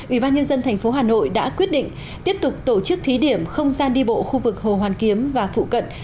ủy ban nhân dân tp hà nội đã quyết định tiếp tục tổ chức thí điểm không gian đi bộ khu vực hồ hoàn kiếm và phụ cận